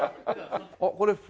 あっこれ。